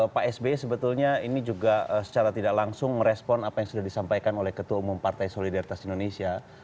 pak sbe sebetulnya ini juga secara tidak langsung merespon apa yang sudah disampaikan oleh ketua umum partai solidaritas indonesia